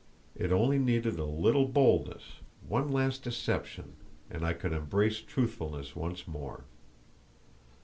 It only needed a little boldness; one last deception, and I could embrace truthfulness once more.